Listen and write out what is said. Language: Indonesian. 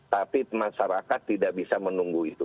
tapi masyarakat tidak bisa menunggu itu